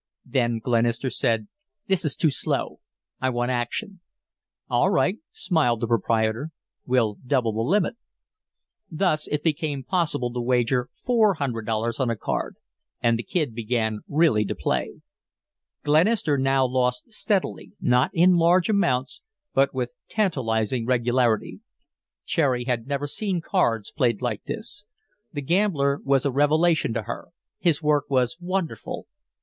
Then Glenister said, "This is too slow. I want action." "All right," smiled the proprietor. "We'll double the limit." Thus it became possible to wager $400 on a card, and the Kid began really to play. Glenister now lost steadily, not in large amounts, but with tantalizing regularity. Cherry had never seen cards played like this. The gambler was a revelation to her his work was wonderful.